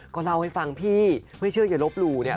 ก็เล่าให้ฟังนะพี่อย่าลบหลู่เนี่ย